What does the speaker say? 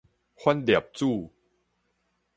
反粒子